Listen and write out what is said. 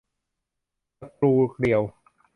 สกรูเกลียว